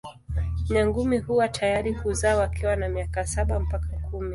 Nyangumi huwa tayari kuzaa wakiwa na miaka saba mpaka kumi.